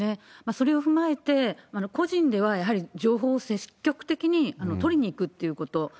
それを踏まえて、個人では、やはり情報を積極的に取りにいくっていうこと。